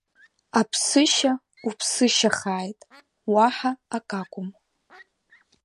Аԥсышьа уԥсышьахааит, уаҳа акакәым…